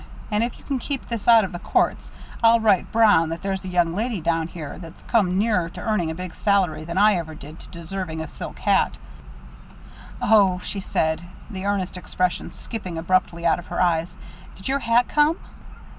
And if you can keep this out of the courts I'll write Brown that there's a young lady down here that's come nearer to earning a big salary than I ever did to deserving a silk hat." "Oh," she said, the earnest expression skipping abruptly out of her eyes; "did your hat come?"